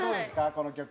この曲は。